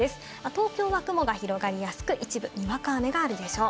東京は雲が広がりやすく、一部にわか雨があるでしょう。